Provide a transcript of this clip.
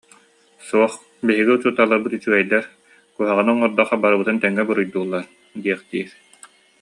«Суох, биһиги учууталларбыт үчүгэйдэр, куһаҕаны оҥордоххо барыбытын тэҥҥэ буруйдууллар» диэхтиир